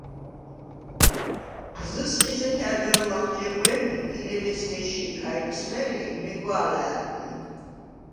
ზჷსყი ზექა̈რ გარ ლახ ჯეღვე̄ნი ი ლემესგ ეში̄ ქა იჴსმელი, მეგვა̄ლა̄̈ლ ლი.